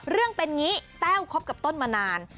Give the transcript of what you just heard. เรื่องเป็นอย่างนี้แต้วคบกับต้นมานาน